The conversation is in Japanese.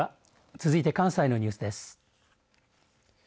続いて、関西のニュースです。